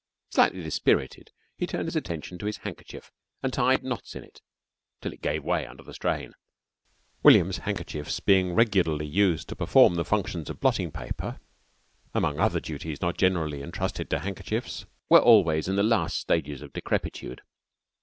Slightly dispirited, he turned his attention to his handkerchief and tied knots in it till it gave way under the strain. William's handkerchiefs, being regularly used to perform the functions of blotting paper among other duties not generally entrusted to handkerchiefs, were always in the last stages of decrepitude.